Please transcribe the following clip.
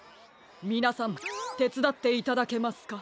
みなさんてつだっていただけますか？